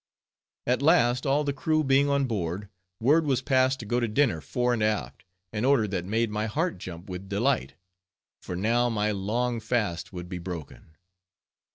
At last, all the crew being on board, word was passed to go to dinner fore and aft, an order that made my heart jump with delight, for now my long fast would be broken.